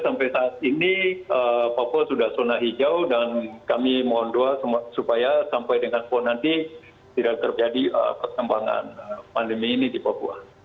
sampai saat ini papua sudah zona hijau dan kami mohon doa supaya sampai dengan nanti tidak terjadi pertambangan pandemi ini di papua